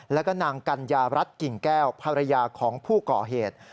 แล้วก็นางกัญญารัฐกิ่งแก้วภรรยาของผู้ก่อเหตุ